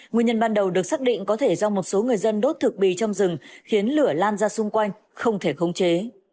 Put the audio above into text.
nguyên nhân ban đầu được xác định có thể do một số người dân đốt thực bì trong rừng khiến lửa lan ra xung quanh không thể khống chế